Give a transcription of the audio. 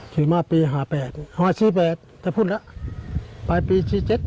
ถือมาปี๑๘๔๘แต่พ่อพูดละปลายปี๑๗๔๗